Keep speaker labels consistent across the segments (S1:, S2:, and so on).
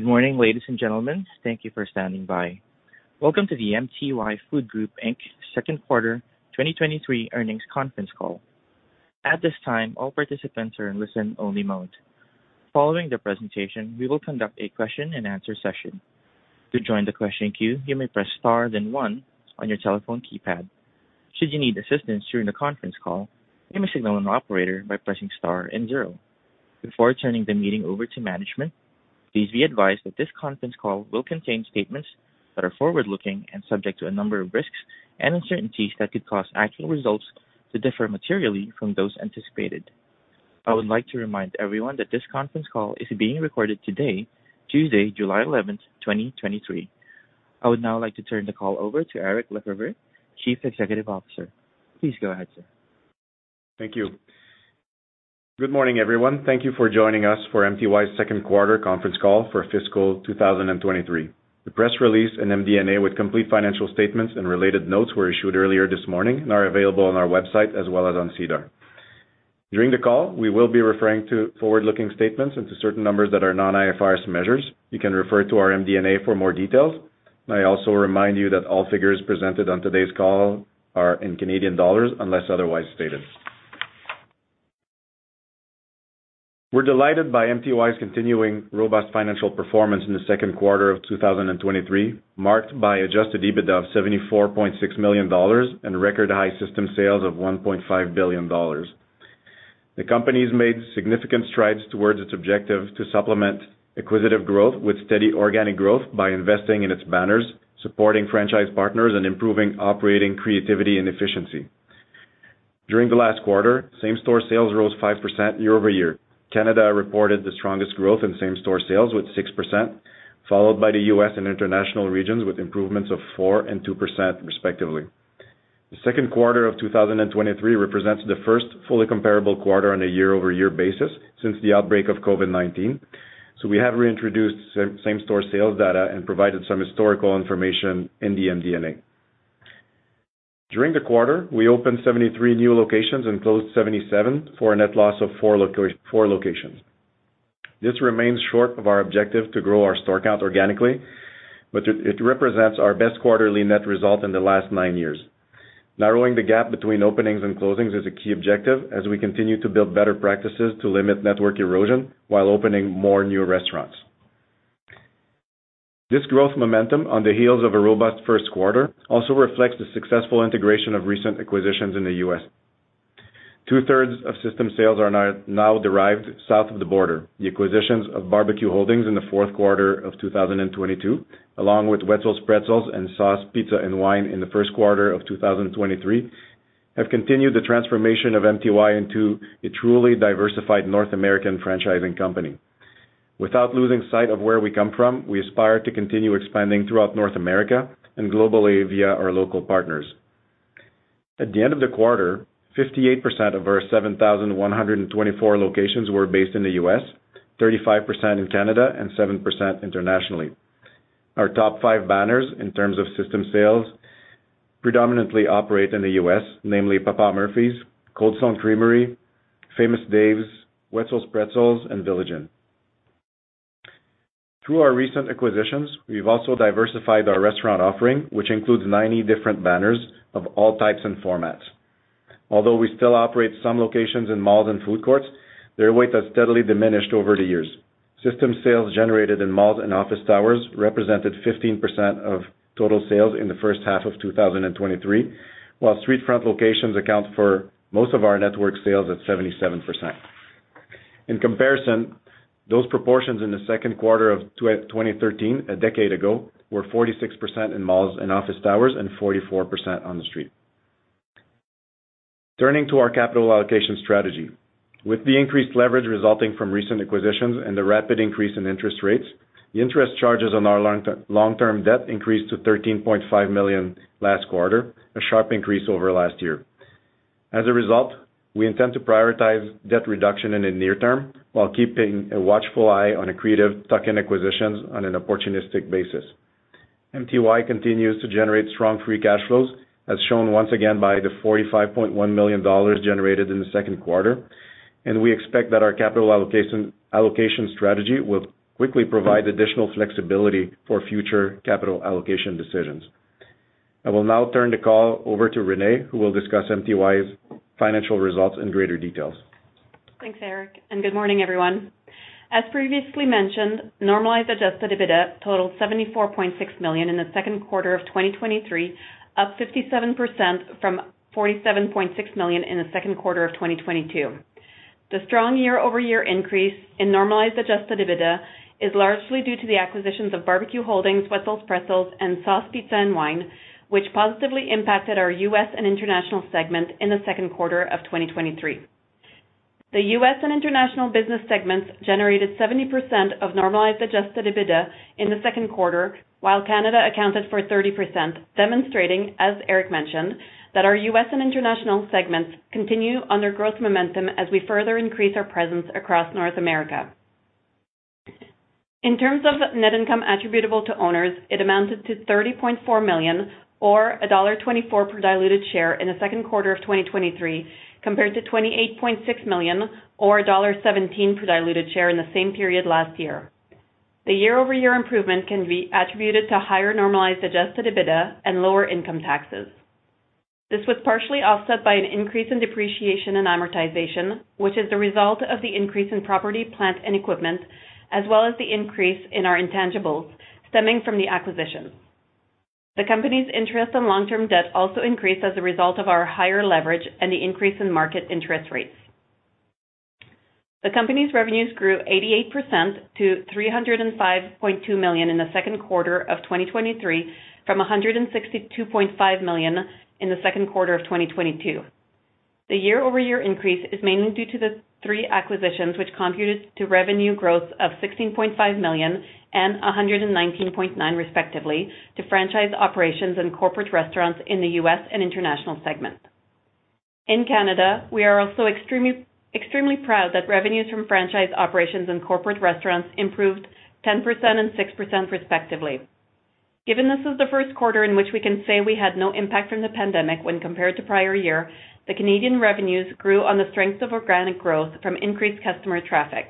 S1: Good morning, ladies and gentlemen. Thank you for standing by. Welcome to the MTY Food Group Inc's Second Quarter 2023 Earnings Conference Call. At this time, all participants are in listen-only mode. Following the presentation, we will conduct a question-and-answer session. To join the question queue, you may press star then one on your telephone keypad. Should you need assistance during the conference call, you may signal an operator by pressing star and zero. Before turning the meeting over to management, please be advised that this conference call will contain statements that are forward-looking and subject to a number of risks and uncertainties that could cause actual results to differ materially from those anticipated. I would like to remind everyone that this Conference Call is being recorded today, Tuesday, July 11th, 2023. I would now like to turn the call over to Eric Lefebvre, Chief Executive Officer. Please go ahead, sir.
S2: Thank you. Good morning, everyone. Thank you for joining us for MTY's second quarter conference call for fiscal 2023. The press release and MD&A with complete financial statements and related notes were issued earlier this morning and are available on our website as well as on SEDAR. During the call, we will be referring to forward-looking statements and to certain numbers that are non-IFRS measures. You can refer to our MD&A for more details. I also remind you that all figures presented on today's call are in Canadian dollars, unless otherwise stated. We're delighted by MTY's continuing robust financial performance in the second quarter of 2023, marked by adjusted EBITDA of 74.6 million dollars and record high system sales of 1.5 billion dollars. The company's made significant strides towards its objective to supplement acquisitive growth with steady organic growth by investing in its banners, supporting franchise partners and improving operating creativity and efficiency. During the last quarter, same-store sales rose 5% year-over-year. Canada reported the strongest growth in same-store sales with 6%, followed by the U.S. and international regions, with improvements of 4% and 2%, respectively. The second quarter of 2023 represents the first fully comparable quarter on a year-over-year basis since the outbreak of COVID-19, so we have reintroduced same-store sales data and provided some historical information in the MD&A. During the quarter, we opened 73 new locations and closed 77, for a net loss of 4 locations. This remains short of our objective to grow our store count organically, but it represents our best quarterly net result in the last 9 years. Narrowing the gap between openings and closings is a key objective as we continue to build better practices to limit network erosion while opening more new restaurants. This growth momentum, on the heels of a robust first quarter, also reflects the successful integration of recent acquisitions in the U.S. Two-thirds of system sales are now derived south of the border. The acquisitions of BBQ Holdings in the fourth quarter of 2022, along with Wetzel's Pretzels and Sauce Pizza & Wine in the first quarter of 2023, have continued the transformation of MTY into a truly diversified North American franchising company. Without losing sight of where we come from, we aspire to continue expanding throughout North America and globally via our local partners. At the end of the quarter, 58% of our 7,124 locations were based in the US, 35% in Canada, and 7% internationally. Our top five banners, in terms of system sales, predominantly operate in the US, namely Papa Murphy's, Cold Stone Creamery, Famous Dave's, Wetzel's Pretzels, and Village Inn. Through our recent acquisitions, we've also diversified our restaurant offering, which includes 90 different banners of all types and formats. Although we still operate some locations in malls and food courts, their weight has steadily diminished over the years. System sales generated in malls and office towers represented 15% of total sales in the first half of 2023, while streetfront locations account for most of our network sales at 77%. In comparison, those proportions in the second quarter of 2013, a decade ago, were 46% in malls and office towers and 44% on the street. Turning to our capital allocation strategy. With the increased leverage resulting from recent acquisitions and the rapid increase in interest rates, the interest charges on our long-term debt increased to 13.5 million last quarter, a sharp increase over last year. As a result, we intend to prioritize debt reduction in the near term, while keeping a watchful eye on accretive tuck-in acquisitions on an opportunistic basis. MTY continues to generate strong free cash flows, as shown once again by the 45.1 million dollars generated in the second quarter. We expect that our capital allocation strategy will quickly provide additional flexibility for future capital allocation decisions. I will now turn the call over to Renee, who will discuss MTY's financial results in greater details.
S3: Thanks, Eric. Good morning, everyone. As previously mentioned, normalized adjusted EBITDA totaled 74.6 million in the second quarter of 2023, up 57% from 47.6 million in the second quarter of 2022. The strong year-over-year increase in normalized adjusted EBITDA is largely due to the acquisitions of BBQ Holdings, Wetzel's Pretzels, and Sauce Pizza & Wine, which positively impacted our US and international segment in the second quarter of 2023. The US and international business segments generated 70% of normalized adjusted EBITDA in the second quarter, while Canada accounted for 30%, demonstrating, as Eric mentioned, that our US and international segments continue on their growth momentum as we further increase our presence across North America. In terms of net income attributable to owners, it amounted to 30.4 million or dollar 1.24 per diluted share in the second quarter of 2023, compared to 28.6 million or dollar 1.17 per diluted share in the same period last year. The year-over-year improvement can be attributed to higher normalized adjusted EBITDA and lower income taxes. This was partially offset by an increase in depreciation and amortization, which is the result of the increase in property, plant, and equipment, as well as the increase in our intangibles stemming from the acquisition. The company's interest on long-term debt also increased as a result of our higher leverage and the increase in market interest rates. The company's revenues grew 88% to 305.2 million in the second quarter of 2023, from 162.5 million in the second quarter of 2022. The year-over-year increase is mainly due to the three acquisitions, which contributed to revenue growth of $16.5 million and $119.9 million, respectively, to franchise operations and corporate restaurants in the U.S. and international segment. In Canada, we are also extremely proud that revenues from franchise operations and corporate restaurants improved 10% and 6%, respectively. Given this is the first quarter in which we can say we had no impact from the pandemic when compared to prior year, the Canadian revenues grew on the strength of organic growth from increased customer traffic.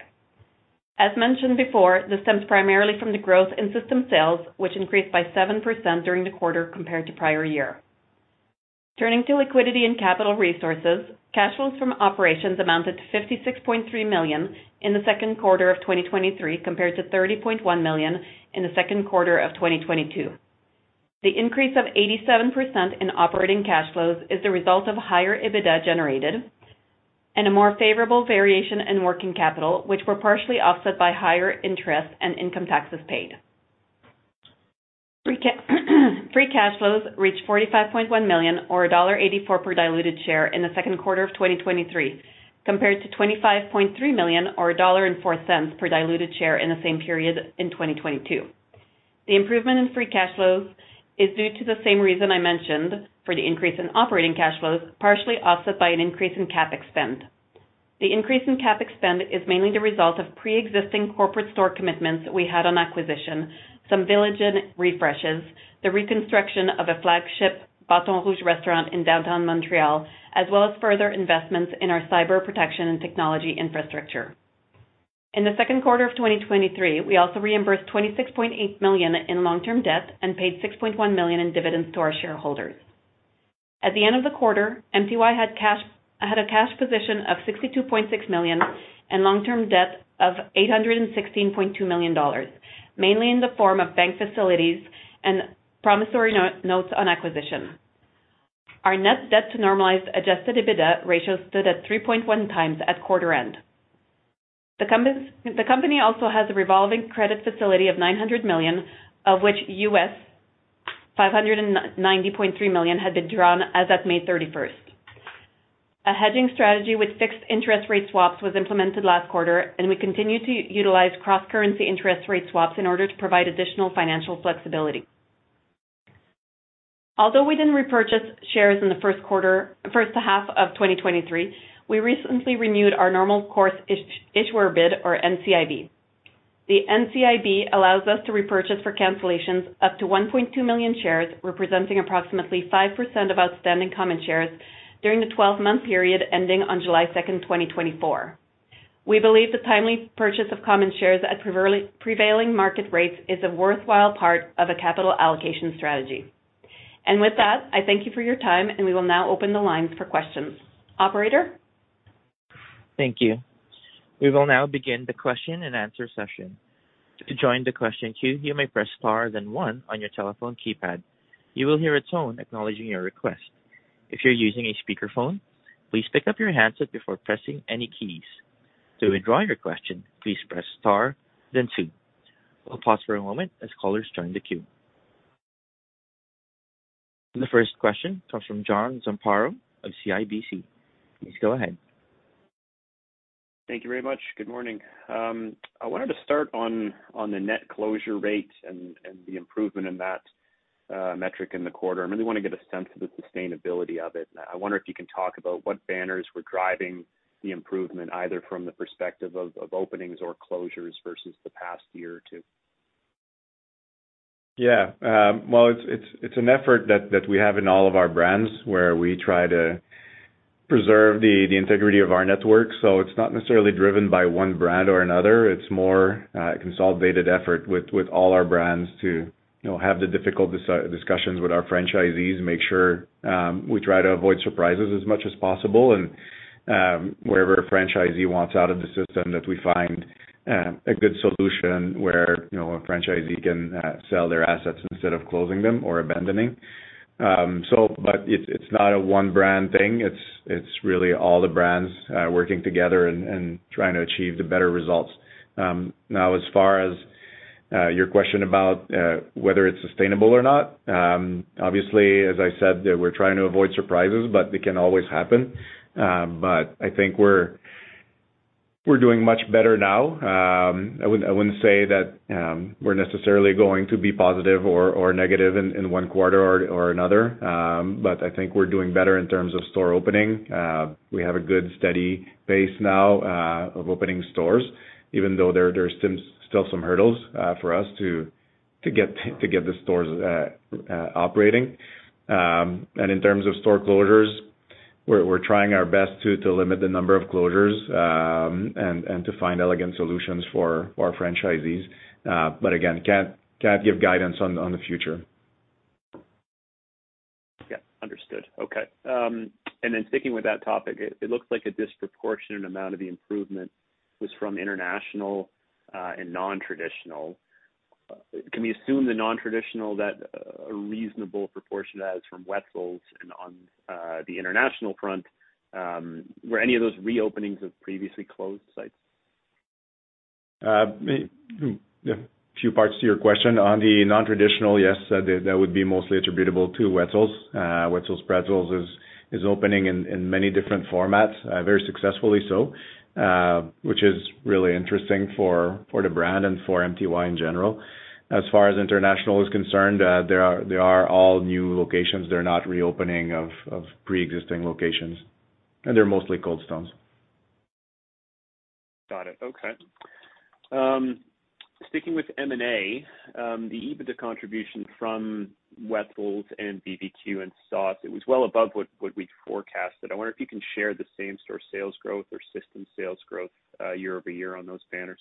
S3: As mentioned before, this stems primarily from the growth in system sales, which increased by 7% during the quarter compared to prior year. Turning to liquidity and capital resources, cash flows from operations amounted to 56.3 million in the second quarter of 2023, compared to 30.1 million in the second quarter of 2022. The increase of 87% in operating cash flows is the result of higher EBITDA generated and a more favorable variation in working capital, which were partially offset by higher interest and income taxes paid. Free cash flows reached 45.1 million or dollar 1.84 per diluted share in the second quarter of 2023, compared to 25.3 million or 1.04 dollar per diluted share in the same period in 2022. The improvement in free cash flows is due to the same reason I mentioned for the increase in operating cash flows, partially offset by an increase in CapEx spend. The increase in CapEx spend is mainly the result of pre-existing corporate store commitments we had on acquisition, some Village and refreshes, the reconstruction of a flagship Baton Rouge restaurant in downtown Montreal, as well as further investments in our cyber protection and technology infrastructure. In the second quarter of 2023, we also reimbursed 26.8 million in long-term debt and paid 6.1 million in dividends to our shareholders. At the end of the quarter, MTY had a cash position of 62.6 million and long-term debt of 816.2 million dollars, mainly in the form of bank facilities and promissory notes on acquisition. Our net debt to normalized adjusted EBITDA ratio stood at 3.1 times at quarter end. The company also has a revolving credit facility of CAD $900 million, of which 590.3 million had been drawn as of May 31st. A hedging strategy with fixed interest rate swaps was implemented last quarter, and we continue to utilize cross-currency interest rate swaps in order to provide additional financial flexibility. Although we didn't repurchase shares in the first half of 2023, we recently renewed our normal course issuer bid, or NCIB. The NCIB allows us to repurchase for cancellations up to 1.2 million shares, representing approximately 5% of outstanding common shares during the 12-month period ending on July 2nd, 2024. We believe the timely purchase of common shares at prevailing market rates is a worthwhile part of a capital allocation strategy. With that, I thank you for your time, and we will now open the lines for questions. Operator?
S1: Thank you. We will now begin the question and answer session. To join the question queue, you may press star, then one on your telephone keypad. You will hear a tone acknowledging your request. If you're using a speakerphone, please pick up your handset before pressing any keys. To withdraw your question, please press star then two. We'll pause for a moment as callers join the queue. The first question comes from John Zamparo of CIBC. Please go ahead.
S4: Thank you very much. Good morning. I wanted to start on the net closure rate and the improvement in that metric in the quarter. I really want to get a sense of the sustainability of it. I wonder if you can talk about what banners were driving the improvement, either from the perspective of openings or closures versus the past year or two.
S2: Well, it's an effort that we have in all of our brands, where we try to preserve the integrity of our network. It's not necessarily driven by one brand or another. It's more a consolidated effort with all our brands to, you know, have the difficult discussions with our franchisees, make sure we try to avoid surprises as much as possible, and wherever a franchisee wants out of the system, that we find a good solution where, you know, a franchisee can sell their assets instead of closing them or abandoning. But it's not a one brand thing. It's really all the brands working together and trying to achieve the better results. Now, as far as your question about whether it's sustainable or not, obviously, as I said, that we're trying to avoid surprises, but they can always happen. I think we're doing much better now. I wouldn't say that we're necessarily going to be positive or negative in one quarter or another, but I think we're doing better in terms of store opening. We have a good, steady pace now of opening stores, even though there are still some hurdles for us to get the stores operating. In terms of store closures, we're trying our best to limit the number of closures, and to find elegant solutions for our franchisees. Again, can't give guidance on the future.
S4: Yeah, understood. Okay. Sticking with that topic, it looks like a disproportionate amount of the improvement was from international and non-traditional. Can we assume the non-traditional, that a reasonable proportion of that is from Wetzel's? On the international front, were any of those reopenings of previously closed sites?
S2: Yeah. A few parts to your question. On the non-traditional, yes, that would be mostly attributable to Wetzel's. Wetzel's Pretzels is opening in many different formats, very successfully so, which is really interesting for the brand and for MTY in general. As far as international is concerned, they are all new locations. They're not reopening of pre-existing locations, and they're mostly Cold Stones.
S4: Got it. Okay. Sticking with M&A, the EBITDA contribution from Wetzel's and BBQ and Sauce, it was well above what we forecasted. I wonder if you can share the same-store sales growth or system sales growth, year-over-year on those banners.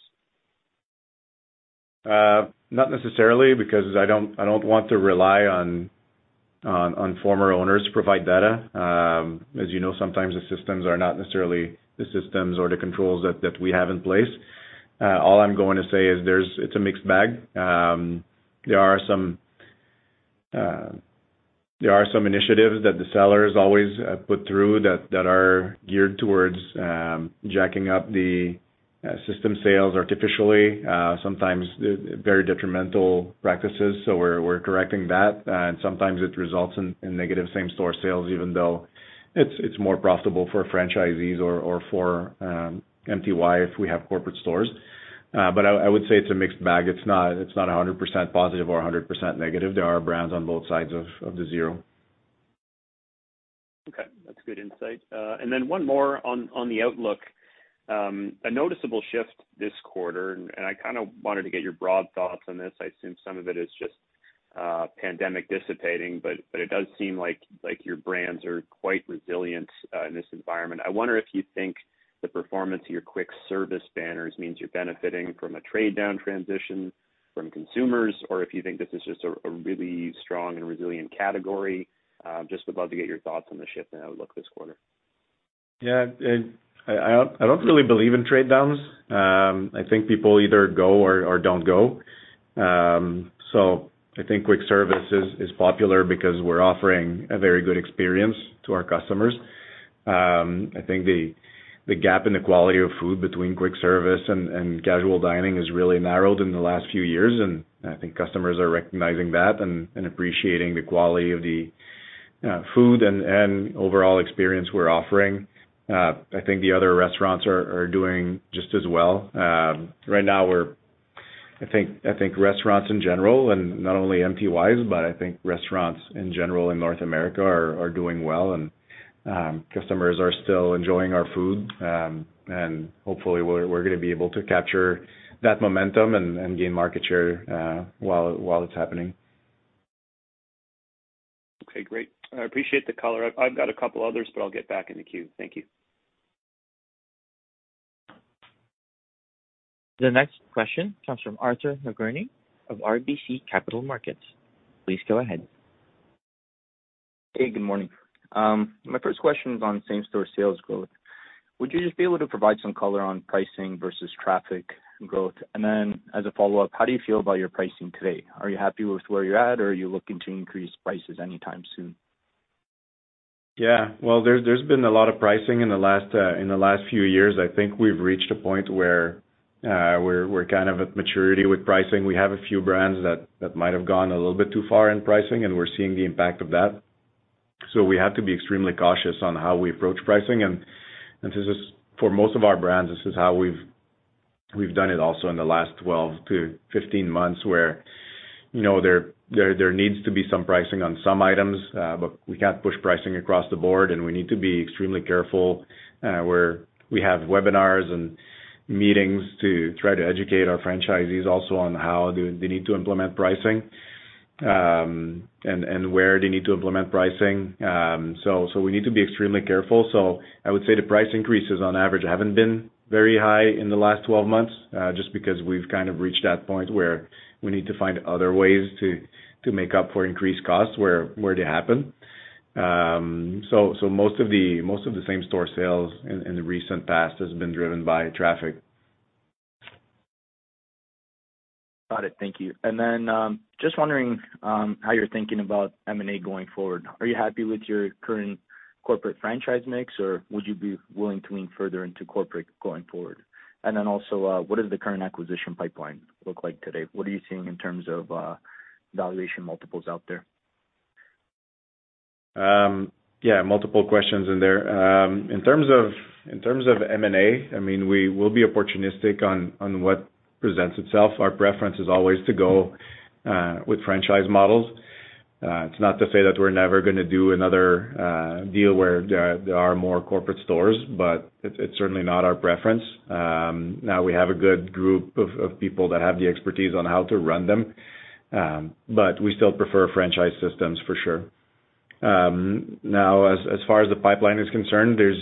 S2: Not necessarily, because I don't, I don't want to rely on, on former owners to provide data. As you know, sometimes the systems are not necessarily the systems or the controls that we have in place. All I'm going to say is there's it's a mixed bag. There are some, there are some initiatives that the sellers always put through that are geared towards jacking up the system sales artificially, sometimes very detrimental practices. So we're correcting that, and sometimes it results in negative same-store sales, even though it's more profitable for franchisees or for MTY if we have corporate stores. But I would say it's a mixed bag. It's not, it's not 100% positive or 100% negative. There are brands on both sides of the zero.
S4: Okay, that's good insight. One more on the outlook. A noticeable shift this quarter. I kind of wanted to get your broad thoughts on this. I assume some of it is just pandemic dissipating, but it does seem like your brands are quite resilient in this environment. I wonder if you think the performance of your quick service banners means you're benefiting from a trade-down transition from consumers, or if you think this is just a really strong and resilient category. Just would love to get your thoughts on the shift and outlook this quarter.
S2: Yeah, I don't really believe in trade downs. I think people either go or don't go. I think quick service is popular because we're offering a very good experience to our customers. I think the gap in the quality of food between quick service and casual dining has really narrowed in the last few years, and I think customers are recognizing that and appreciating the quality of the food and overall experience we're offering. I think the other restaurants are doing just as well. Right now I think restaurants in general, and not only MTY's, but I think restaurants in general in North America are doing well, and customers are still enjoying our food. Hopefully, we're gonna be able to capture that momentum and gain market share, while it's happening.
S4: Okay, great. I appreciate the color. I've got a couple others, but I'll get back in the queue. Thank you.
S1: The next question comes from Arthur Nagorny of RBC Capital Markets. Please go ahead.
S5: Hey, good morning. My first question is on same-store sales growth. Would you just be able to provide some color on pricing versus traffic growth? As a follow-up, how do you feel about your pricing today? Are you happy with where you're at, or are you looking to increase prices anytime soon?
S2: Yeah. Well, there's been a lot of pricing in the last, in the last few years. I think we've reached a point where we're kind of at maturity with pricing. We have a few brands that might have gone a little bit too far in pricing, and we're seeing the impact of that. We have to be extremely cautious on how we approach pricing. This is, for most of our brands, this is how we've done it also in the last 12 to 15 months, where, you know, there needs to be some pricing on some items, but we can't push pricing across the board, and we need to be extremely careful. We have webinars and meetings to try to educate our franchisees also on how they need to implement pricing and where they need to implement pricing. We need to be extremely careful. I would say the price increases on average, haven't been very high in the last 12 months, just because we've kind of reached that point where we need to find other ways to make up for increased costs where they happen. Most of the same-store sales in the recent past has been driven by traffic.
S5: Got it. Thank you. Just wondering how you're thinking about M&A going forward? Are you happy with your current corporate franchise mix, or would you be willing to lean further into corporate going forward? Also, what does the current acquisition pipeline look like today? What are you seeing in terms of valuation multiples out there?
S2: Yeah, multiple questions in there. In terms of M&A, I mean, we will be opportunistic on what presents itself. Our preference is always to go with franchise models. It's not to say that we're never gonna do another deal where there are more corporate stores, but it's certainly not our preference. Now we have a good group of people that have the expertise on how to run them, but we still prefer franchise systems for sure. Now, as far as the pipeline is concerned, there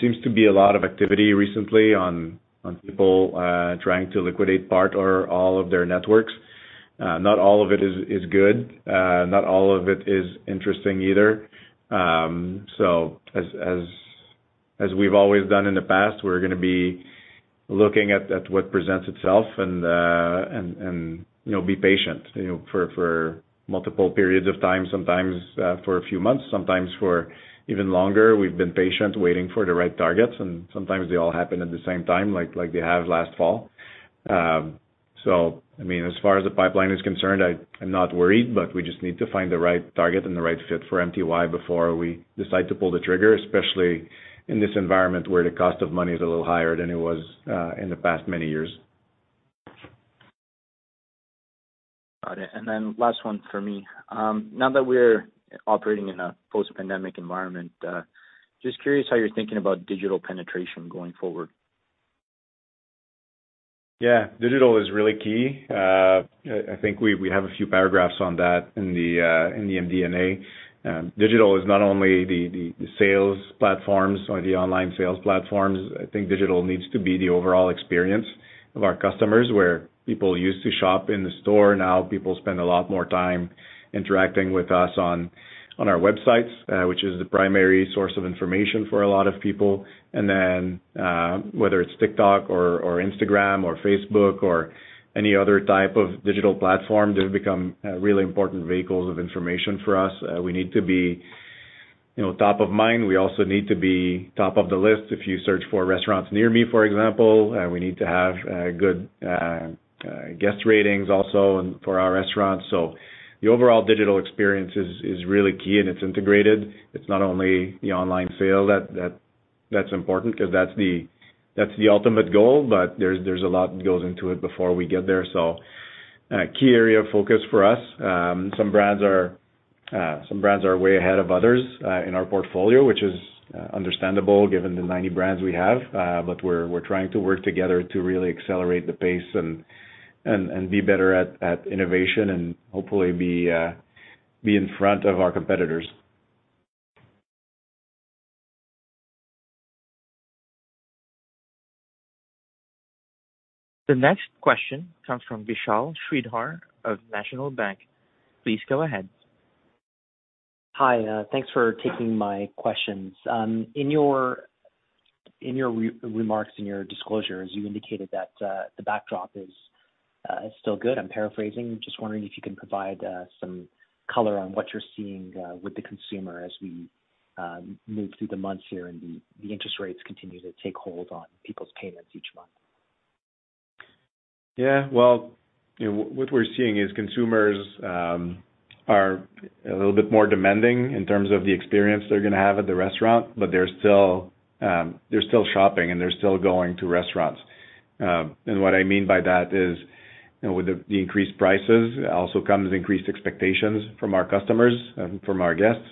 S2: seems to be a lot of activity recently on people trying to liquidate part or all of their networks. Not all of it is good. Not all of it is interesting either. As we've always done in the past, we're gonna be looking at what presents itself, and, you know, be patient, you know, for multiple periods of time, sometimes for a few months, sometimes for even longer. We've been patient, waiting for the right targets, and sometimes they all happen at the same time, like they have last fall. I mean, as far as the pipeline is concerned, I'm not worried, but we just need to find the right target and the right fit for MTY before we decide to pull the trigger, especially in this environment, where the cost of money is a little higher than it was in the past many years.
S5: Got it. Last one for me. Now that we're operating in a post-pandemic environment, just curious how you're thinking about digital penetration going forward.
S2: Yeah, digital is really key. I think we have a few paragraphs on that in the MD&A. Digital is not only the sales platforms or the online sales platforms, I think digital needs to be the overall experience of our customers, where people used to shop in the store, now people spend a lot more time interacting with us on our websites, which is the primary source of information for a lot of people. Whether it's TikTok or Instagram or Facebook or any other type of digital platform, they've become really important vehicles of information for us. We need to be, you know, top of mind. We also need to be top of the list. If you search for restaurants near me, for example, we need to have good guest ratings also and for our restaurants. The overall digital experience is really key, and it's integrated. It's not only the online sale. That's important, 'cause that's the ultimate goal, but there's a lot that goes into it before we get there. Key area of focus for us. Some brands are way ahead of others in our portfolio, which is understandable given the 90 brands we have. We're trying to work together to really accelerate the pace and be better at innovation and hopefully be in front of our competitors.
S1: The next question comes from Vishal Shreedhar of National Bank. Please go ahead.
S6: Hi, thanks for taking my questions. In your remarks, in your disclosures, you indicated that the backdrop is still good. I'm paraphrasing. Just wondering if you can provide some color on what you're seeing with the consumer as we move through the months here, and the interest rates continue to take hold on people's payments each month.
S2: Yeah, well, you know, what we're seeing is consumers are a little bit more demanding in terms of the experience they're gonna have at the restaurant, but they're still shopping, and they're still going to restaurants. What I mean by that is, you know, with the increased prices also comes increased expectations from our customers and from our guests.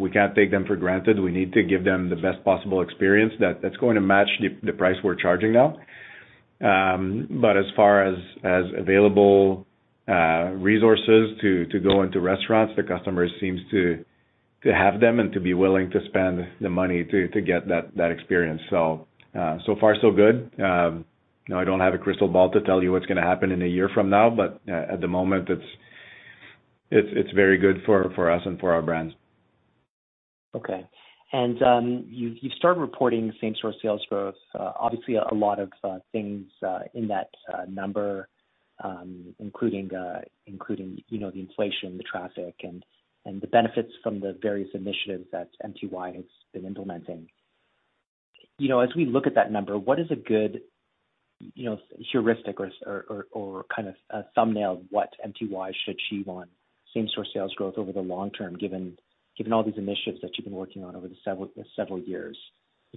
S2: We can't take them for granted. We need to give them the best possible experience that's going to match the price we're charging now. As far as available resources to go into restaurants, the customers seems to have them and to be willing to spend the money to get that experience. So far so good. You know, I don't have a crystal ball to tell you what's gonna happen in a year from now, but at the moment, it's very good for us and for our brands.
S6: Okay. You've started reporting same-store sales growth. Obviously a lot of things in that number, including, you know, the inflation, the traffic, and the benefits from the various initiatives that MTY has been implementing. You know, as we look at that number, what is a good, you know, heuristic or, kind of a thumbnail of what MTY should achieve on same-store sales growth over the long term, given all these initiatives that you've been working on over the several years?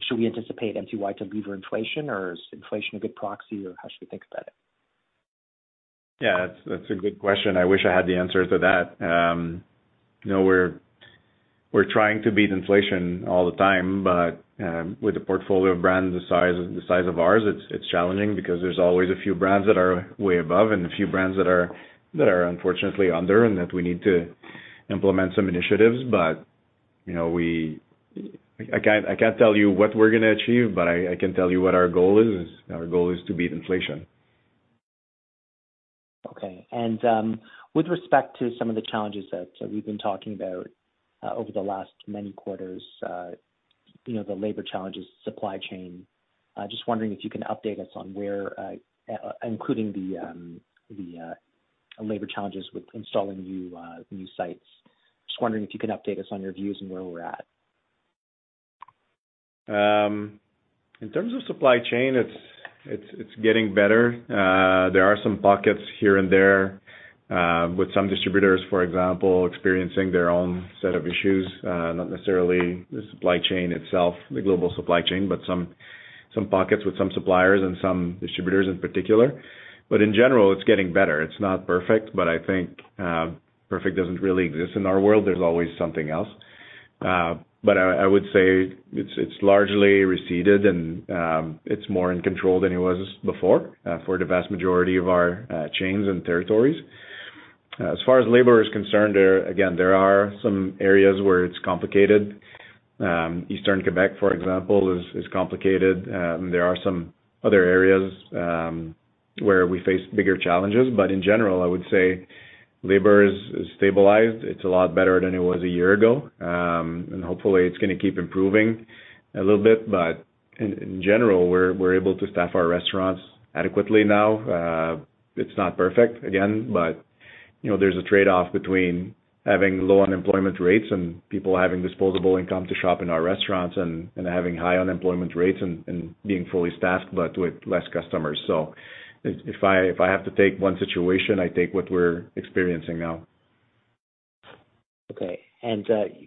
S6: Should we anticipate MTY to beat inflation, or is inflation a good proxy, or how should we think about it?
S2: That's, that's a good question. I wish I had the answer to that. you know, we're trying to beat inflation all the time, but with a portfolio of brands the size of ours, it's challenging because there's always a few brands that are way above and a few brands that are unfortunately under, and that we need to implement some initiatives. you know, I can't, I can't tell you what we're gonna achieve, but I can tell you what our goal is. Our goal is to beat inflation.
S6: Okay. with respect to some of the challenges that we've been talking about, over the last many quarters, you know, the labor challenges, supply chain, just wondering if you can update us on where, including the labor challenges with installing new sites. Just wondering if you can update us on your views and where we're at?
S2: In terms of supply chain, it's getting better. There are some pockets here and there, with some distributors, for example, experiencing their own set of issues, not necessarily the supply chain itself, the global supply chain, but some pockets with some suppliers and some distributors in particular. In general, it's getting better. It's not perfect, but I think perfect doesn't really exist in our world. There's always something else. I would say it's largely receded, and it's more in control than it was before, for the vast majority of our chains and territories. As far as labor is concerned, again, there are some areas where it's complicated. Eastern Quebec, for example, is complicated. There are some other areas where we face bigger challenges, but in general, I would say labor is stabilized. It's a lot better than it was a year ago. Hopefully it's gonna keep improving a little bit. In general, we're able to staff our restaurants adequately now. It's not perfect, again, but, you know, there's a trade-off between having low unemployment rates and people having disposable income to shop in our restaurants, and having high unemployment rates and being fully staffed, but with less customers. If I have to take one situation, I take what we're experiencing now.
S6: Okay.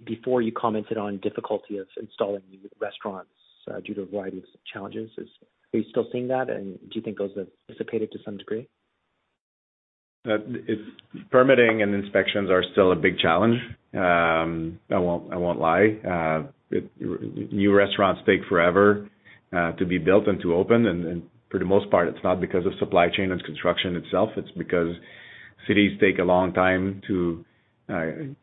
S6: Before you commented on difficulty of installing new restaurants, due to a variety of challenges, are you still seeing that? Do you think those have dissipated to some degree?
S2: Permitting and inspections are still a big challenge. I won't lie. New restaurants take forever to be built and to open. For the most part, it's not because of supply chain, it's construction itself. It's because cities take a long time to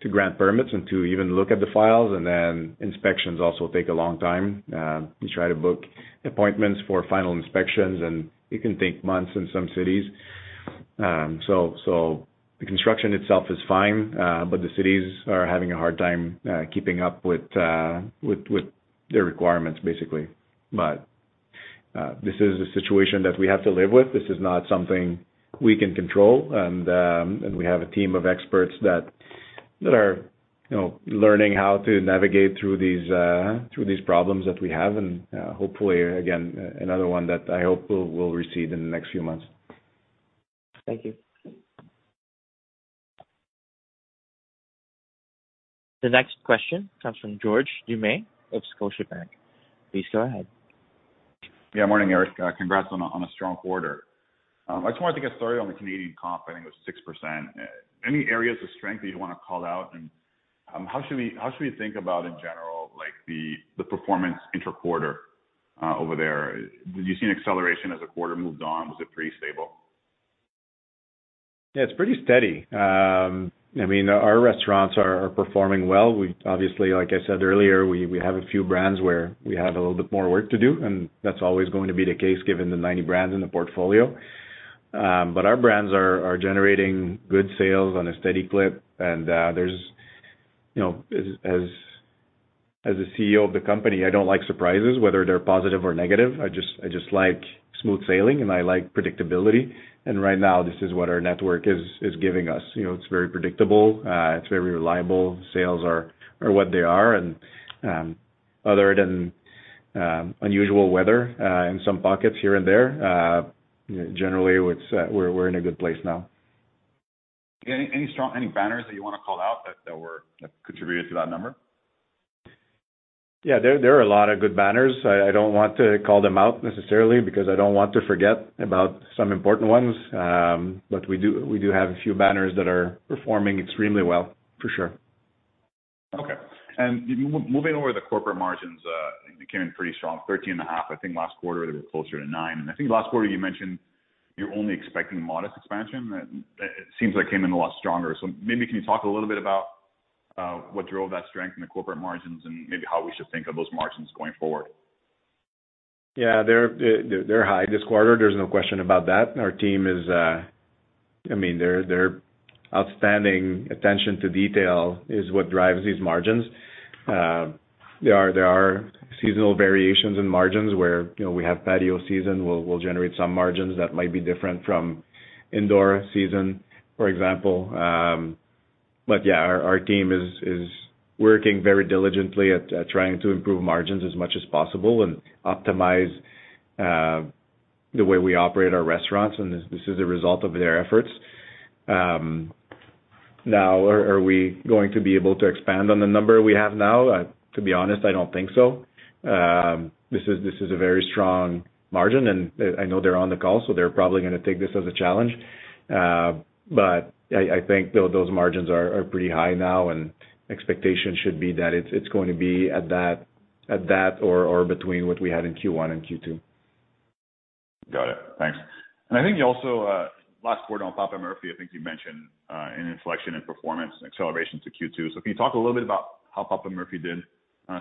S2: grant permits and to even look at the files, and then inspections also take a long time. You try to book appointments for final inspections, and it can take months in some cities. So the construction itself is fine, but the cities are having a hard time keeping up with their requirements, basically. This is a situation that we have to live with. This is not something we can control, and we have a team of experts that are, you know, learning how to navigate through these, through these problems that we have. Hopefully, again, another one that I hope we'll recede in the next few months.
S6: Thank you.
S1: The next question comes from George Doumet of Scotiabank. Please go ahead.
S7: Yeah, morning, Erick. Congrats on a strong quarter. I just wanted to get started on the Canadian comp. I think it was 6%. Any areas of strength that you'd wanna call out? How should we think about, in general, like, the performance inter quarter over there? Did you see an acceleration as the quarter moved on? Was it pretty stable?
S2: Yeah, it's pretty steady. I mean, our restaurants are performing well. Obviously, like I said earlier, we have a few brands where we have a little bit more work to do, and that's always going to be the case, given the 90 brands in the portfolio. Our brands are generating good sales on a steady clip. You know, as a CEO of the company, I don't like surprises, whether they're positive or negative. I just like smooth sailing, and I like predictability. Right now, this is what our network is giving us. You know, it's very predictable, it's very reliable. Sales are what they are. Other than unusual weather, in some pockets here and there, generally, it's, we're in a good place now.
S7: Any banners that you wanna call out, that were, that contributed to that number?
S2: Yeah, there are a lot of good banners. I don't want to call them out necessarily, because I don't want to forget about some important ones. we do have a few banners that are performing extremely well, for sure.
S7: Okay. Moving over the corporate margins, they came in pretty strong, 13.5%. I think last quarter, it was closer to 9%. I think last quarter you mentioned you're only expecting modest expansion. That, it seems like it came in a lot stronger. Maybe, can you talk a little bit about, what drove that strength in the corporate margins and maybe how we should think of those margins going forward?
S2: Yeah, they're high this quarter, there's no question about that. Our team is, I mean, their outstanding attention to detail is what drives these margins. There are seasonal variations in margins where, you know, we'll generate some margins that might be different from indoor season, for example. Yeah, our team is working very diligently at trying to improve margins as much as possible and optimize the way we operate our restaurants, and this is a result of their efforts. Now, are we going to be able to expand on the number we have now? To be honest, I don't think so. This is a very strong margin, and I know they're on the call, they're probably gonna take this as a challenge. I think those margins are pretty high now, and expectation should be that it's going to be at that or between what we had in Q1 and Q2.
S7: Got it. Thanks. I think you also, last quarter on Papa Murphy, I think you mentioned, an inflection in performance and acceleration to Q2. Can you talk a little bit about how Papa Murphy did,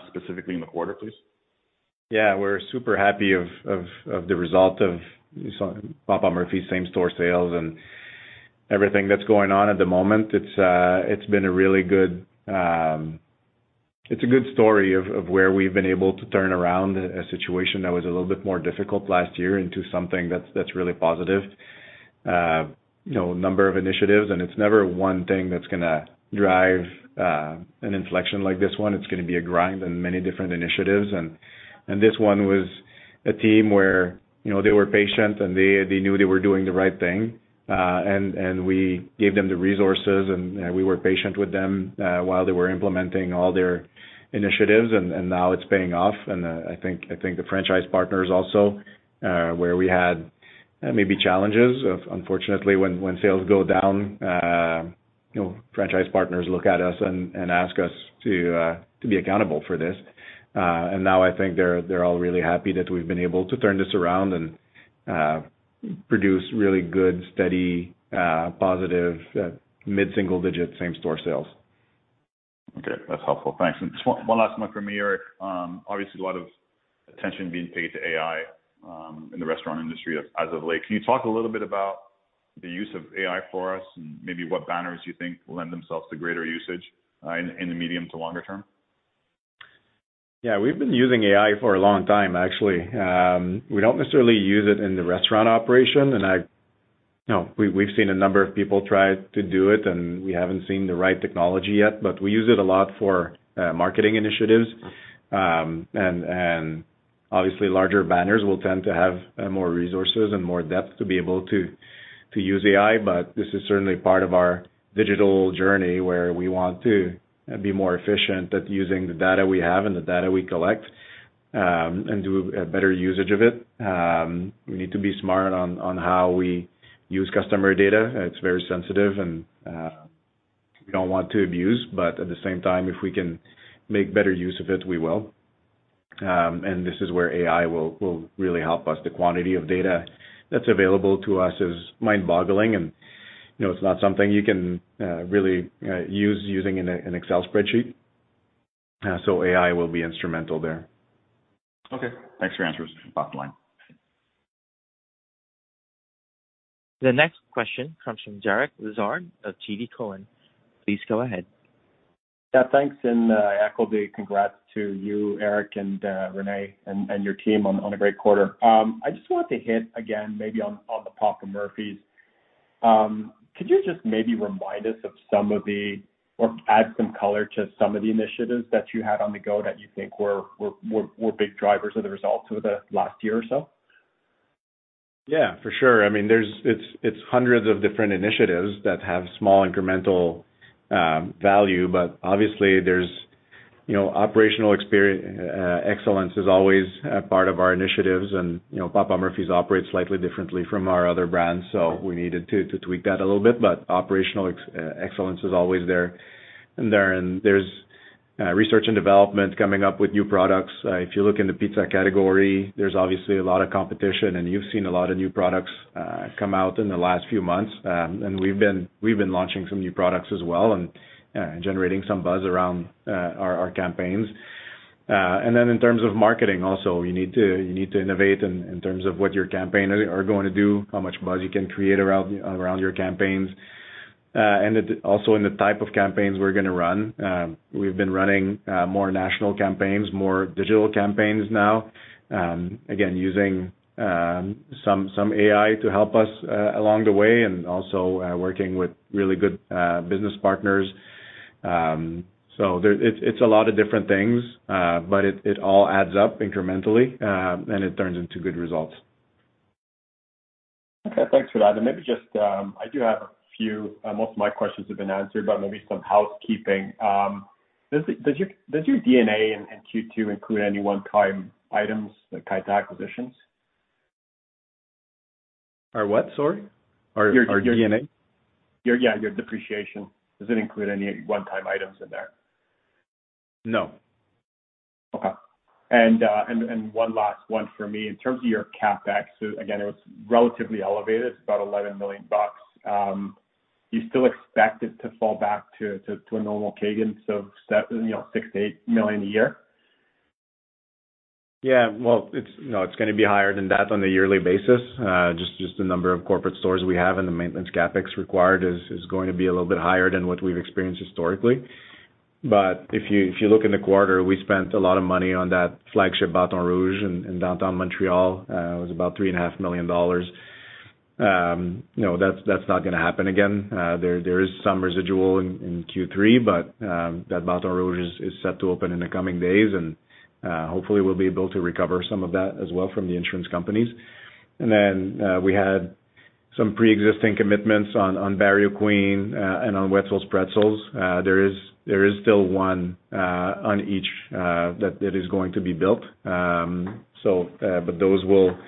S7: specifically in the quarter, please?
S2: Yeah. We're super happy of the result of Papa Murphy's same-store sales and everything that's going on at the moment. It's a good story of where we've been able to turn around a situation that was a little bit more difficult last year into something that's really positive. You know, a number of initiatives, and it's never one thing that's gonna drive an inflection like this one. It's gonna be a grind and many different initiatives. This one was a team where, you know, they were patient, and they knew they were doing the right thing. We gave them the resources, and we were patient with them, while they were implementing all their initiatives. Now it's paying off. I think the franchise partners also, where we had maybe challenges of, unfortunately, when sales go down, you know, franchise partners look at us and ask us to be accountable for this. Now I think they're all really happy that we've been able to turn this around and produce really good, steady, positive, mid-single digit same-store sales.
S7: Okay, that's helpful. Thanks. One last one from me, Eric. Obviously, a lot of attention being paid to AI in the restaurant industry as of late. Can you talk a little bit about the use of AI for us, and maybe what banners you think lend themselves to greater usage in the medium to longer term?
S2: Yeah, we've been using AI for a long time, actually. We don't necessarily use it in the restaurant operation, no, we've seen a number of people try to do it, and we haven't seen the right technology yet, but we use it a lot for marketing initiatives. Obviously, larger banners will tend to have more resources and more depth to be able to use AI. This is certainly part of our digital journey, where we want to be more efficient at using the data we have and the data we collect, and do a better usage of it. We need to be smart on how we use customer data. It's very sensitive, and we don't want to abuse, at the same time, if we can make better use of it, we will. This is where AI will really help us. The quantity of data that's available to us is mind-boggling, and, you know, it's not something you can, really, use using an Excel spreadsheet. AI will be instrumental there.
S7: Okay. Thanks for your answers, bottom line.
S1: The next question comes from Derek Lessard of TD Cowen. Please go ahead.
S8: Yeah, thanks, and equally, congrats to you, Eric, and Renee, and your team on a great quarter. I just wanted to hit again, maybe on the Papa Murphy's. Could you just maybe remind us of some of the or add some color to some of the initiatives that you had on the go that you think were big drivers of the results over the last year or so?
S2: Yeah, for sure. I mean, it's hundreds of different initiatives that have small incremental value. Obviously, you know, operational excellence is always a part of our initiatives. You know, Papa Murphy's operates slightly differently from our other brands, so we needed to tweak that a little bit. Operational excellence is always there. There's research and development, coming up with new products. If you look in the pizza category, there's obviously a lot of competition, you've seen a lot of new products come out in the last few months. We've been launching some new products as well and generating some buzz around our campaigns. In terms of marketing, also, you need to innovate in terms of what your campaign are going to do, how much buzz you can create around your campaigns, also in the type of campaigns we're gonna run. We've been running more national campaigns, more digital campaigns now. Again, using some AI to help us along the way, and also working with really good business partners. It's a lot of different things, but it all adds up incrementally, and it turns into good results.
S8: Okay, thanks for that. Maybe just, most of my questions have been answered, but maybe some housekeeping. Does your DNA in Q2 include any one-time items, like type acquisitions?
S2: Our what, sorry? Our DNA?
S8: Yeah, your depreciation, does it include any one-time items in there?
S2: No.
S8: Okay. One last one for me. In terms of your CapEx, again, it was relatively elevated. It's about $11 million. Do you still expect it to fall back to a normal cadence of seven, you know, $68 million a year?
S2: Yeah, well, it's, you know, it's going to be higher than that on a yearly basis. Just the number of corporate stores we have and the maintenance CapEx required is going to be a little bit higher than what we've experienced historically. If you look in the quarter, we spent a lot of money on that flagship Baton Rouge in downtown Montreal, it was about three and a half million dollars. You know, that's not going to happen again. There is some residual in Q3, that Baton Rouge is set to open in the coming days, and hopefully, we'll be able to recover some of that as well from the insurance companies. We had some pre-existing commitments on Barrio Queen and on Wetzel's Pretzels. There is still one on each that is going to be built. Those will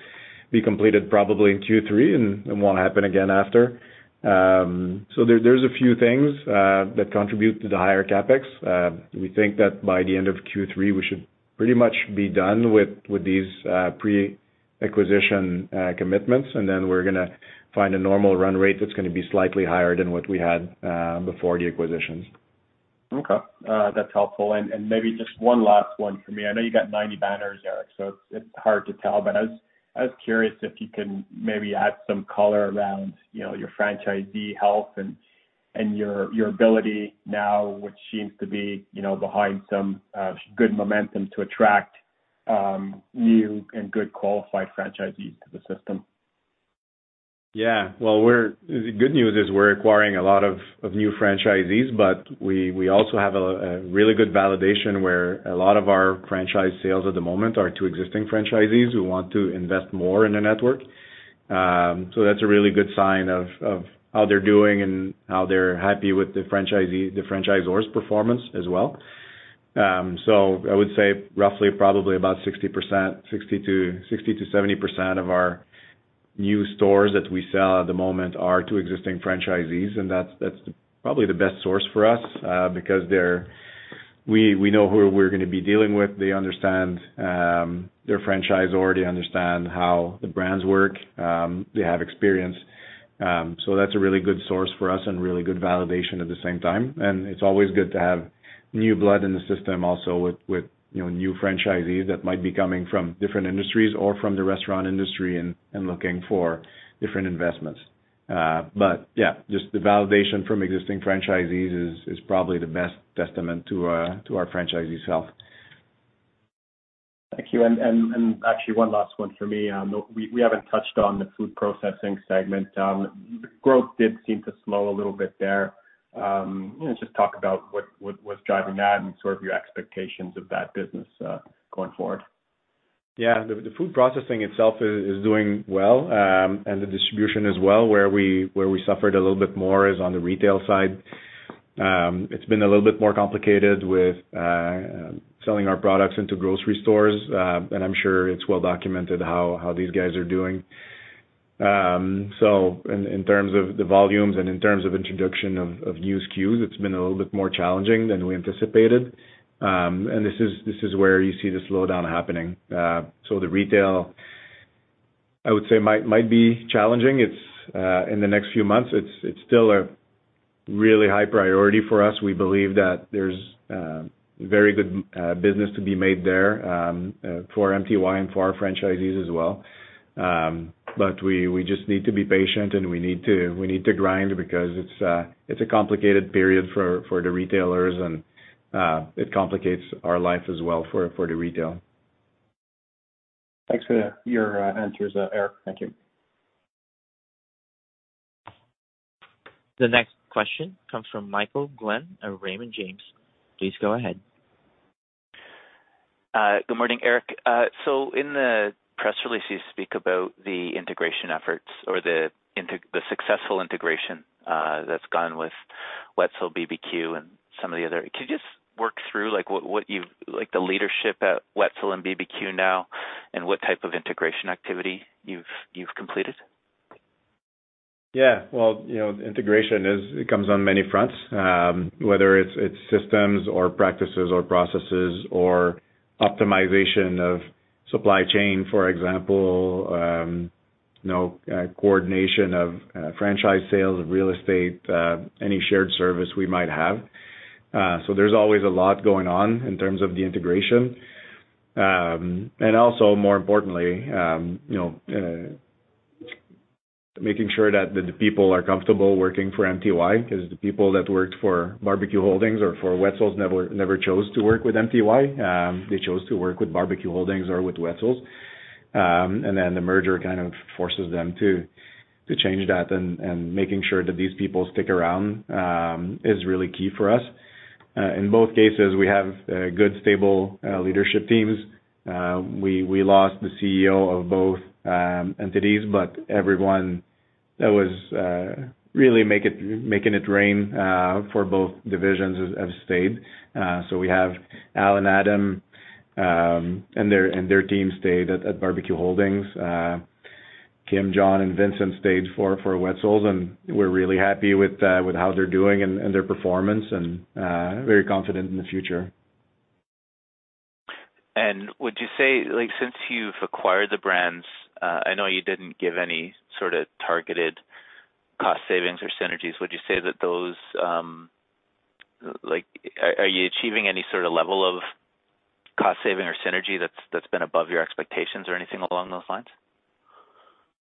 S2: be completed probably in Q3 and won't happen again after. There's a few things that contribute to the higher CapEx. We think that by the end of Q3, we should pretty much be done with these pre-acquisition commitments, and then we're gonna find a normal run rate that's gonna be slightly higher than what we had before the acquisitions.
S8: Okay, that's helpful. Maybe just one last one for me. I know you got 90 banners, Eric, it's hard to tell, but I was curious if you can maybe add some color around, you know, your franchisee health and your ability now, which seems to be, you know, behind some good momentum to attract new and good qualified franchisees to the system.
S2: Yeah. Well, the good news is we're acquiring a lot of new franchisees, we also have a really good validation, where a lot of our franchise sales at the moment are to existing franchisees who want to invest more in the network. that's a really good sign of how they're doing and how they're happy with the franchisor's performance as well. I would say roughly, probably about 60%, 60%-70% of our new stores that we sell at the moment are to existing franchisees, that's probably the best source for us because we know who we're gonna be dealing with. They understand their franchisor, they understand how the brands work, they have experience. That's a really good source for us and really good validation at the same time. It's always good to have new blood in the system, also with, you know, new franchisees that might be coming from different industries or from the restaurant industry and looking for different investments. Yeah, just the validation from existing franchisees is probably the best testament to our franchisees' health.
S8: Thank you. Actually one last one for me. We haven't touched on the food processing segment. The growth did seem to slow a little bit there. You know, just talk about what's driving that and sort of your expectations of that business, going forward.
S2: Yeah, the food processing itself is doing well, and the distribution as well. Where we suffered a little bit more is on the retail side. It's been a little bit more complicated with selling our products into grocery stores, and I'm sure it's well documented how these guys are doing. In terms of the volumes and in terms of introduction of new SKUs, it's been a little bit more challenging than we anticipated. This is where you see the slowdown happening. The retail, I would say, might be challenging. It's in the next few months, it's still a really high priority for us. We believe that there's very good business to be made there for MTY and for our franchisees as well. We just need to be patient, and we need to grind because it's a complicated period for the retailers, and it complicates our life as well for the retail.
S8: Thanks for your answers, Eric. Thank you.
S1: The next question comes from Michael Glen of Raymond James. Please go ahead.
S9: Good morning, Eric. In the press release, you speak about the integration efforts or the successful integration, that's gone with Wetzel BBQ and some of the other. Can you just work through, like, what you've, like, the leadership at Wetzel and BBQ now, and what type of integration activity you've completed?
S2: Yeah. Well, you know, integration comes on many fronts, whether it's systems or practices or processes or optimization of supply chain, for example, you know, coordination of franchise sales, of real estate, any shared service we might have. There's always a lot going on in terms of the integration. Also, more importantly, you know, making sure that the people are comfortable working for MTY, 'cause the people that worked for BBQ Holdings or for Wetzel's never chose to work with MTY. They chose to work with BBQ Holdings or with Wetzel's. The merger kind of forces them to change that, and making sure that these people stick around is really key for us. In both cases, we have good, stable leadership teams. We, we lost the CEO of both entities, but everyone that was really making it rain for both divisions have stayed. We have Al and Adam, and their team stayed at BBQ Holdings. Kim, John, and Vincent stayed for Wetzel's, and we're really happy with how they're doing and their performance and very confident in the future.
S9: Would you say, like, since you've acquired the brands, I know you didn't give any sort of targeted cost savings or synergies, would you say that those, Are you achieving any sort of level of cost saving or synergy that's been above your expectations or anything along those lines?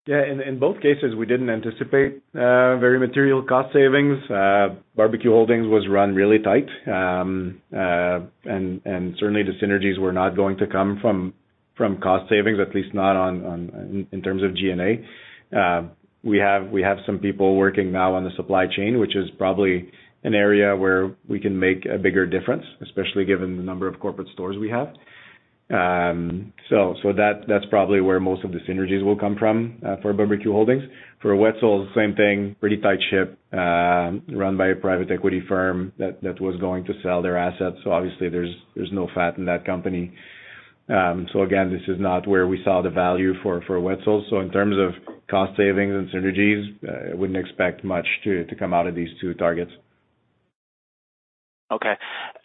S2: Yeah, in both cases, we didn't anticipate very material cost savings. BBQ Holdings was run really tight. Certainly, the synergies were not going to come from cost savings, at least not in terms of G&A. We have some people working now on the supply chain, which is probably an area where we can make a bigger difference, especially given the number of corporate stores we have. That's probably where most of the synergies will come from for BBQ Holdings. For Wetzel's, same thing, pretty tight ship, run by a private equity firm that was going to sell their assets. Obviously, there's no fat in that company. Again, this is not where we saw the value for Wetzel's. In terms of cost savings and synergies, I wouldn't expect much to come out of these two targets.
S9: Okay.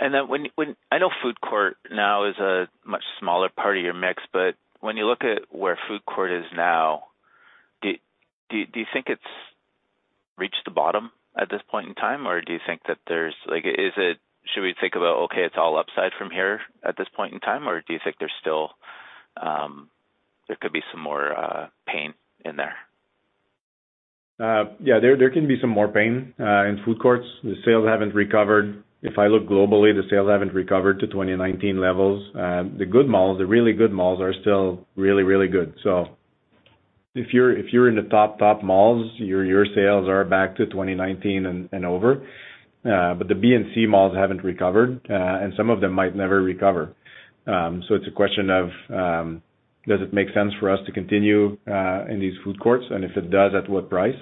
S9: When I know food court now is a much smaller part of your mix, but when you look at where food court is now, do you think it's reached the bottom at this point in time, or do you think that there's, like, is it, should we think about, okay, it's all upside from here at this point in time, or do you think there's still, there could be some more pain in there?
S2: Yeah, there can be some more pain in food courts. The sales haven't recovered. If I look globally, the sales haven't recovered to 2019 levels. The good malls, the really good malls are still really, really good. If you're in the top malls, your sales are back to 2019 and over, but the B and C malls haven't recovered, and some of them might never recover. It's a question of, does it make sense for us to continue in these food courts? If it does, at what price?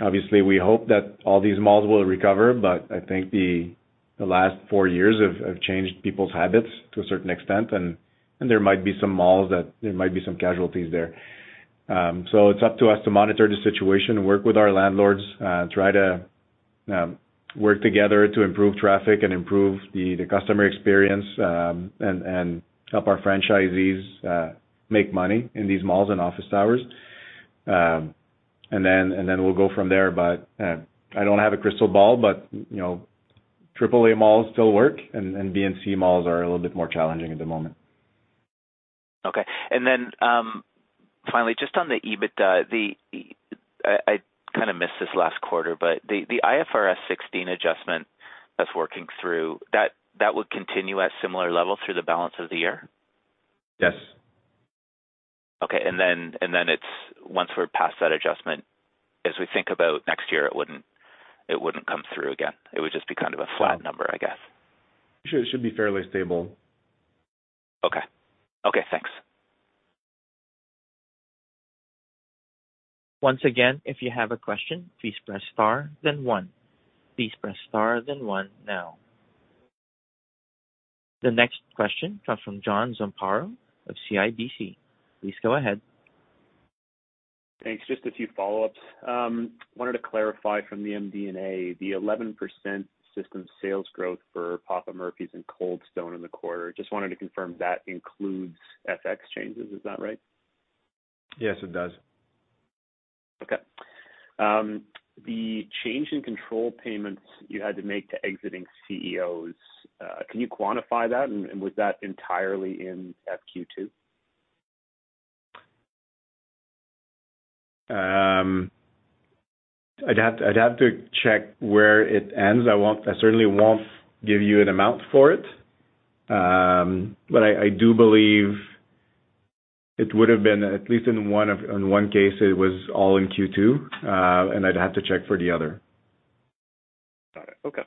S2: Obviously, we hope that all these malls will recover, but I think the last four years have changed people's habits to a certain extent, and there might be some malls that there might be some casualties there. It's up to us to monitor the situation and work with our landlords, try to work together to improve traffic and improve the customer experience, and help our franchisees make money in these malls and office towers. Then we'll go from there, but I don't have a crystal ball, but, you know, triple A malls still work, and B and C malls are a little bit more challenging at the moment.
S9: Okay. finally, just on the EBITDA, the I kind of missed this last quarter, but the IFRS 16 adjustment that's working through, that would continue at similar level through the balance of the year?
S2: Yes.
S9: Okay. Then it's, once we're past that adjustment, as we think about next year, it wouldn't come through again. It would just be kind of a flat number, I guess.
S2: Sure. It should be fairly stable.
S9: Okay. Okay, thanks.
S1: Once again, if you have a question, please press Star then one. Please press Star then one now. The next question comes from John Zamparo of CIBC. Please go ahead.
S4: Thanks. Just a few follow-ups. Wanted to clarify from the MD&A, the 11% system sales growth for Papa Murphy's and Cold Stone in the quarter. Just wanted to confirm that includes FX changes. Is that right?
S2: Yes, it does.
S4: Okay. The change in control payments you had to make to exiting CEOs, can you quantify that? Was that entirely in FQ2?
S2: I'd have to check where it ends. I certainly won't give you an amount for it. I do believe it would have been, at least in one of, in one case, it was all in Q2, and I'd have to check for the other.
S4: Got it. Okay.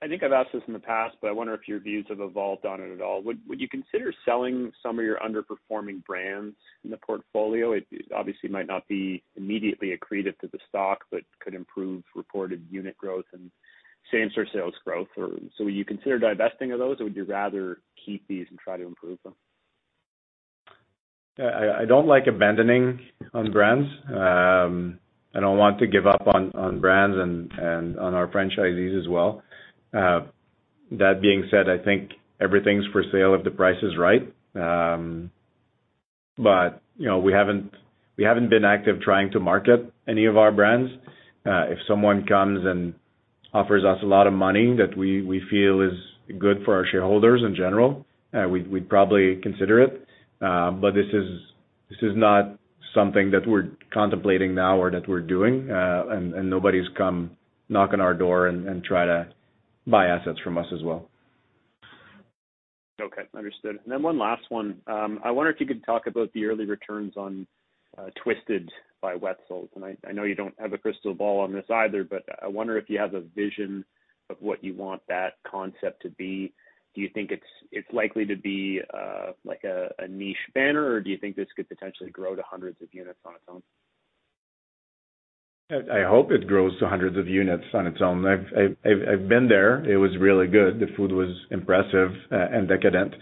S4: I think I've asked this in the past, but I wonder if your views have evolved on it at all. Would you consider selling some of your underperforming brands in the portfolio? It obviously might not be immediately accretive to the stock, but could improve reported unit growth and same-store sales growth, or so would you consider divesting of those, or would you rather keep these and try to improve them?
S2: I don't like abandoning on brands. I don't want to give up on brands and on our franchisees as well. That being said, I think everything's for sale if the price is right. You know, we haven't been active trying to market any of our brands. If someone comes and offers us a lot of money that we feel is good for our shareholders in general, we'd probably consider it. This is not something that we're contemplating now or that we're doing, and nobody's come knock on our door and try to buy assets from us as well.
S4: Okay, understood. Then one last one. I wonder if you could talk about the early returns on Twisted by Wetzel's. I know you don't have a crystal ball on this either, but I wonder if you have a vision of what you want that concept to be. Do you think it's likely to be like a niche banner, or do you think this could potentially grow to hundreds of units on its own?
S2: I hope it grows to hundreds of units on its own. I've been there. It was really good. The food was impressive and decadent.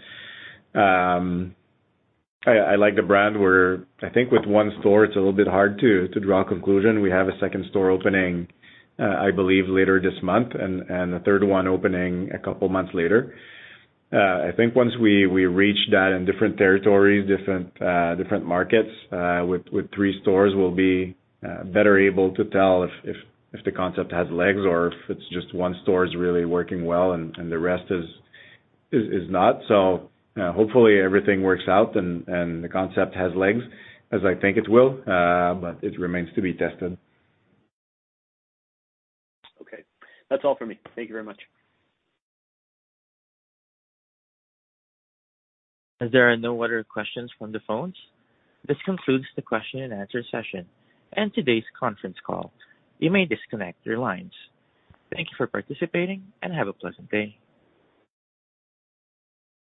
S2: I like the brand. Where I think with one store, it's a little bit hard to draw a conclusion. We have a second store opening, I believe, later this month and a third one opening a couple months later. I think once we reach that in different territories, different markets, with three stores, we'll be better able to tell if the concept has legs or if it's just one store is really working well and the rest is not. Hopefully everything works out and the concept has legs, as I think it will, but it remains to be tested.
S4: Okay. That's all for me. Thank you very much.
S1: As there are no other questions from the phones, this concludes the question and answer session and today's Conference Call. You may disconnect your lines. Thank you for participating, and have a pleasant day.